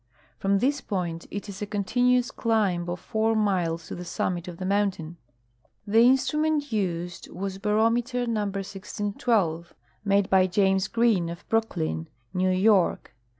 From this point it is a continuous climb of four miles to the summit of the mountain. The instrument used AA^as barometer No. 1612, made by James Green, of Brooklyn, New York.